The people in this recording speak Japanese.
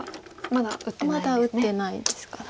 まだ打ってないですか。